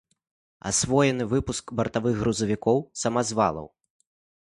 Асвоены выпуск бартавых грузавікоў, самазвалаў.